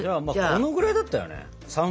このぐらいだったよね。